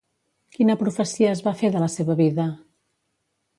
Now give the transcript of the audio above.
Quina profecia es va fer de la seva vida?